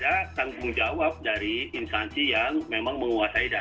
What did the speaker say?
iya seharusnya ada tanggung jawab dari instansi yang memang tidak ada